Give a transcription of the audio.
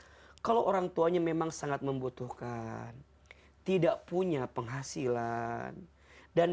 kita fokuskan itu misal kalau orang tuanya memang sangat membutuhkan tidak punya penghasilan dan